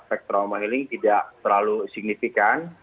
efek trauma healing tidak terlalu signifikan